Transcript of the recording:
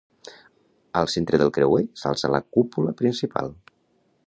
Al centre del creuer, s'alça la cúpula principal.